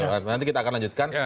nanti kita akan lanjutkan